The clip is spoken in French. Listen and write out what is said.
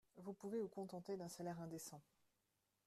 vous pouvez vous contenter d'un salaire indécent.